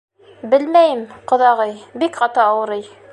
— Белмәйем, ҡоҙағый, бик ҡаты ауырый.